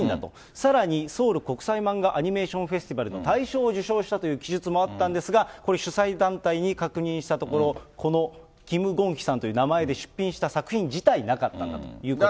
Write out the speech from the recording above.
さらにソウル国際漫画アニメーションフェスティバルの大賞を受賞したという記述もあったんですが、これ、主催団体に確認したところ、このキム・ゴンヒさんという名前で出品した作品自体なかったんだということです。